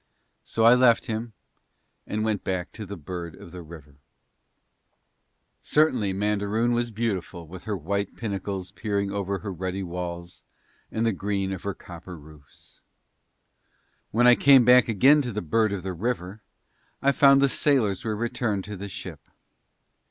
So I left him and went back to the Bird of the River. Certainly Mandaroon was beautiful with her white pinnacles peering over her ruddy walls and the green of her copper roofs. When I came back again to the Bird of the River, I found the sailors were returned to the ship.